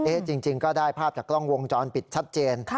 จริงก็ได้ภาพจากกล้องวงจรปิดชัดเจน